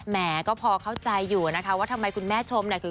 แหมก็พอเข้าใจอยู่นะคะว่าทำไมคุณแม่ชมเนี่ยคือ